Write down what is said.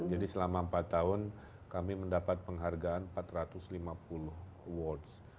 jadi selama empat tahun kami mendapat penghargaan empat ratus lima puluh awards